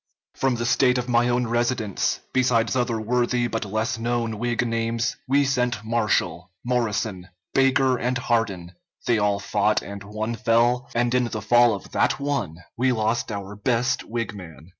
From the State of my own residence, besides other worthy but less known Whig names, we sent Marshall, Morrison, Baker, and Hardin; they all fought, and one fell, and in the fall of that one we lost our best Whig man.